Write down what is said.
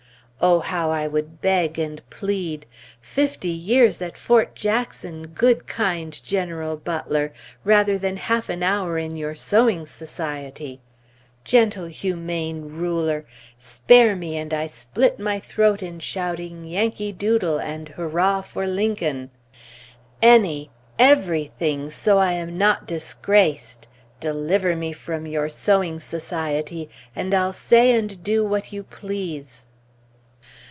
Oh, how I would beg and plead! Fifty years at Fort Jackson, good, kind General Butler, rather than half an hour in your sewing society! Gentle, humane ruler, spare me and I split my throat in shouting "Yankee Doodle" and "Hurrah for Lincoln!" Any, every thing, so I am not disgraced! Deliver me from your sewing society, and I'll say and do what you please!